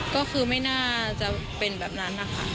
ก็คือไม่น่าจะเป็นแบบนั้นนะคะ